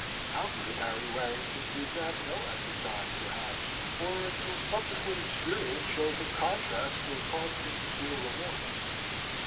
How good Harry Warrington did not know at the time, perhaps, or until subsequent experience showed him contrasts, or caused him to feel remorse.